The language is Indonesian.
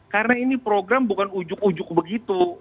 karena ini program bukan ujuk ujuk begitu